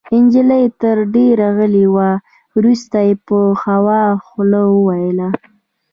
نجلۍ تر دېره غلې وه. وروسته يې په خواره خوله وویل: